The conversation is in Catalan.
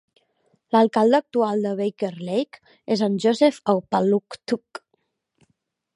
L'alcalde actual de Baker Lake és en Joseph Aupaluktuq.